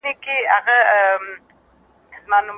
که پيغله وه هغې ته دي ځانګړي اووه شپې ورکړي.